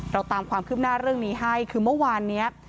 ตามความคืบหน้าเรื่องนี้ให้คือเมื่อวานนี้